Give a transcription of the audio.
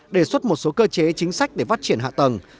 đề xuất một số cơ chế chính sách để phát triển hạ tầng